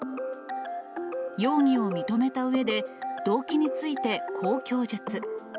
容疑を認めたうえで、動機について、こう供述。